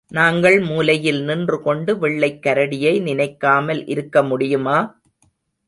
நாங்கள் மூலையில் நின்று கொண்டு வெள்ளைக் கரடியை நினைக்காமல் இருக்க முடியுமா?